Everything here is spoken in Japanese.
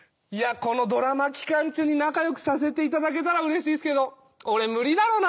このドラマ期間中に仲良くさせていただけたらうれしいっすけど俺無理だろうな。